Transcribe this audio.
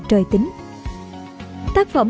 trời tính tác phẩm